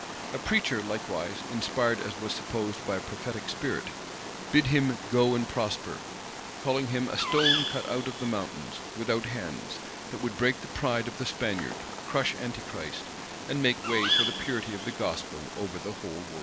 [] A preacher, likewise, inspired as was supposed by a prophetic spirit, bid him "go and prosper;" calling him "a stone cut out of the mountains without hands, that would break the pride of the Spaniard, crush Antichrist, and make way for the purity of the gospel over the whole world."